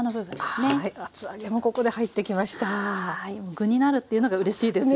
具になるっていうのがうれしいですよね。